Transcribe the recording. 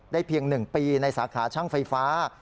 ได้เพียงหนึ่งปีในสาขาช่างไฟฟ้า